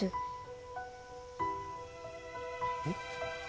えっ？